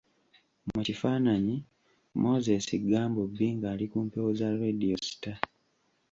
Mu kifaananyi, Moses Gambobbi ng’ali ku mpewo za Radio Star.